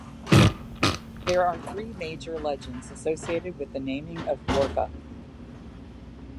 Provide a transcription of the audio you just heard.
There are three major legends associated with naming of "Gorkha".